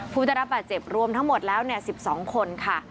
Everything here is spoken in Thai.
ผู้ได้รับบาดเจ็บรวมทั้งหมดแล้ว๑๒คนค่ะ